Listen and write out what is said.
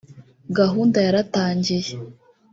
gahunda yaratangiye